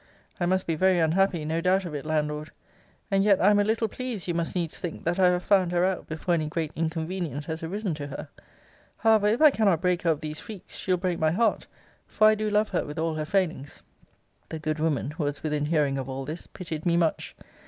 I must be very unhappy, no doubt of it, Landlord. And yet I am a little pleased, you must needs think, that I have found her out before any great inconvenience has arisen to her. However, if I cannot break her of these freaks, she'll break my heart; for I do love her with all her failings. The good woman, who was within hearing of all this, pitied me much.